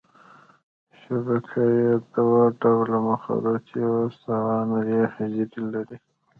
شبکیه دوه ډوله مخروطي او استوانه یي حجرې لري.